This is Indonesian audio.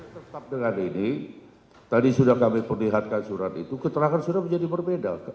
tetap dengan ini tadi sudah kami perlihatkan surat itu keterangan sudah menjadi berbeda